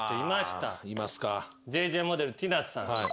『ＪＪ』モデルティナさん。